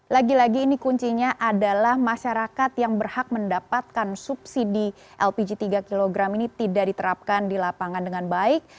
lagi lagi ini kuncinya adalah masyarakat yang berhak mendapatkan subsidi lpg tiga kg ini tidak diterapkan di lapangan dengan baik